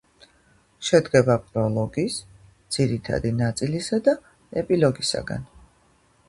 შედგება პროლოგის ძირითადი ნაწილისა და ეპილოგისაგან